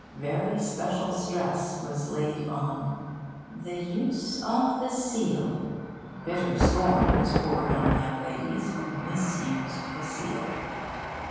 Very special stress was laid on 'the use of the seal.' Bitter scorn was poured on young ladies who misused the seal.